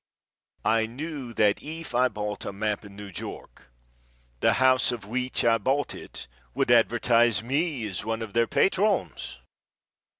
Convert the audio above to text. I knew that if I bought a map in New York, the house of which I bought it would advertise me as one of their patrons.